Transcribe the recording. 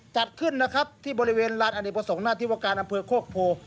จัดขึ้นนะครับที่บริเวณรถอเนี่ยผสงนาธิวการอำเภอโคกโพ